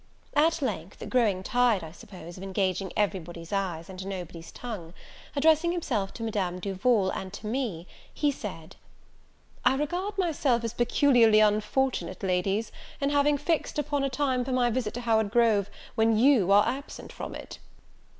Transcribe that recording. At length, growing tired, I suppose, of engaging every body's eyes, and nobody's tongue, addressing himself to Madame Duval and to me, the said, "I regard myself as peculiarly unfortunate, Ladies, in having fixed upon a time for my visit to Howard Grove, when you are absent from it."